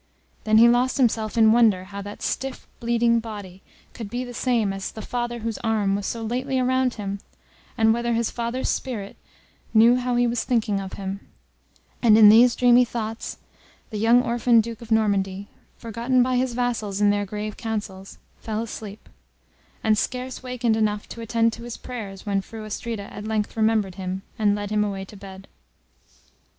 Then he lost himself in wonder how that stiff bleeding body could be the same as the father whose arm was so lately around him, and whether his father's spirit knew how he was thinking of him; and in these dreamy thoughts, the young orphan Duke of Normandy, forgotten by his vassals in their grave councils, fell asleep, and scarce wakened enough to attend to his prayers, when Fru Astrida at length remembered him, and led him away to bed.